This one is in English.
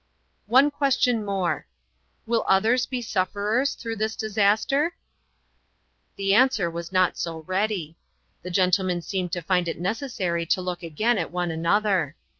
One question more : "Will others be sufferers through this dis aster ?" The answer was not so ready. The gentle men seemed to find it necessary to look again at one another.